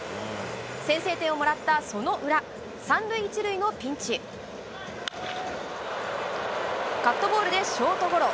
先制点をもらったその裏、３塁１カットボールでショートゴロ。